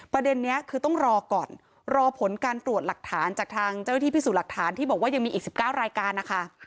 ประเด็นนี้คือต้องรอก่อนรอผลการตรวจหลักฐานจากทางเจ้าหน้าที่พิสูจน์หลักฐานที่บอกว่ายังมีอีก๑๙รายการนะคะ